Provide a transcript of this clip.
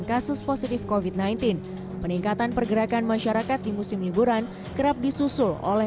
kasus positif kofit sembilan belas peningkatan pergerakan masyarakat di musim liburan kerap disusul oleh